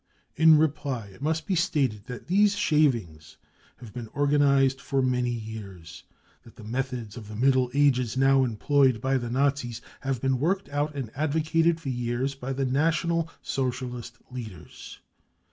' In reply it must be stated that these " shavings " have been organised for many years * that the methods of the j Middle Ages now employed by the Nazis have been worked j out and advocated for years by the National Socialist j leaders.